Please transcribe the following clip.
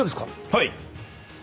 はい。